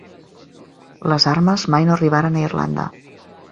Les armes mai no arribaren a Irlanda.